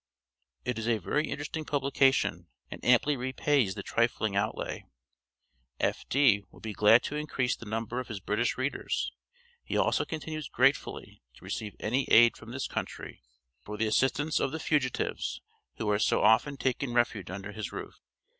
It is a very interesting publication, and amply repays the trifling outlay. F.D. would be glad to increase the number of his British readers. He also continues gratefully to receive any aid from this country for the assistance of the fugitives who are so often taking refuge under his roof.